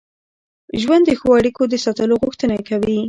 ژوند د ښو اړیکو د ساتلو غوښتنه کوي.